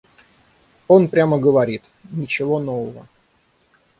Он прямо говорит: «Ничего нового».